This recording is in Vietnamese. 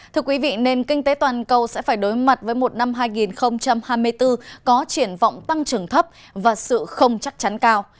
thưa quý vị nền kinh tế toàn cầu sẽ phải đối mặt với một năm hai nghìn hai mươi bốn có triển vọng tăng trưởng thấp và sự không chắc chắn cao